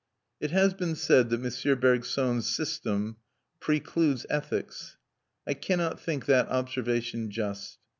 It has been said that M. Bergson's system precludes ethics: I cannot think that observation just.